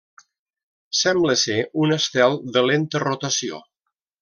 Sembla ser un estel de lenta rotació.